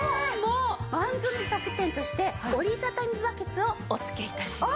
番組特典として折りたたみバケツをお付け致します。